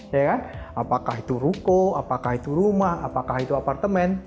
ya kan apakah itu ruko apakah itu rumah apakah itu apartemen